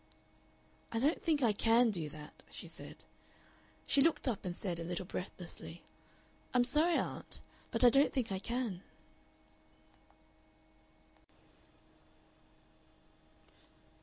"I don't think I CAN do that," she said. She looked up and said, a little breathlessly, "I'm sorry, aunt, but I don't think I can."